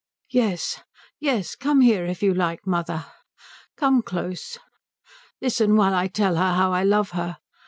"Yes, yes, come here if you like, mother come close listen while I tell her how I love her.